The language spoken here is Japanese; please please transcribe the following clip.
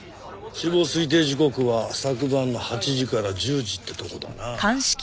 死亡推定時刻は昨晩の８時から１０時ってとこだな。